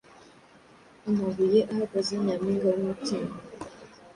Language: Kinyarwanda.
Amabuye- ahagaze nyampinga-wumutima